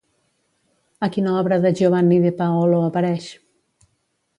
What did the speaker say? A quina obra de Giovanni di Paolo apareix?